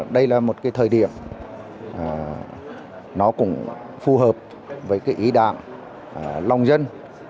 đây là một thời điểm nó cũng phù hợp với ý đảng lòng dân